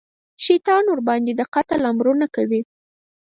شیطان ورباندې د قتل امرونه کوي.